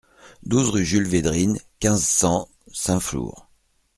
douze rue Jules Vedrines, quinze, cent, Saint-Flour